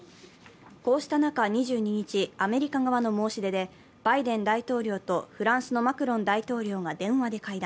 こうした中、２２日、アメリカ側の申し出でバイデン大統領とフランスのマクロン大統領が電話で会談。